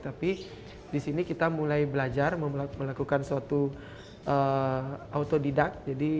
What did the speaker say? tapi disini kita mulai belajar melakukan suatu autodidak